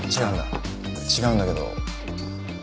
違うんだけど。